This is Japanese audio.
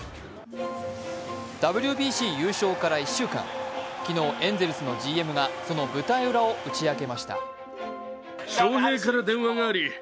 ＷＢＣ優勝から１週間、昨日エンゼルスのＧＭがその舞台裏を打ち明けました。